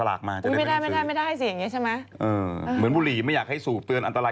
อาจจะซื้อทั้งเล่มไหม